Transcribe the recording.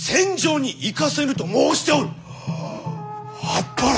ああっぱれ！